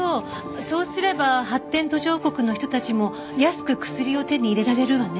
そうすれば発展途上国の人たちも安く薬を手に入れられるわね。